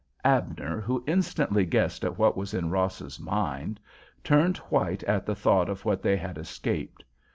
Abner, who instantly guessed at what was in Ross's mind, turned white at the thought of what they had escaped.